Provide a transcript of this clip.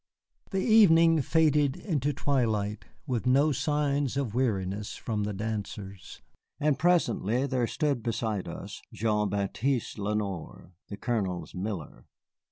The evening faded into twilight, with no signs of weariness from the dancers. And presently there stood beside us Jean Baptiste Lenoir, the Colonel's miller.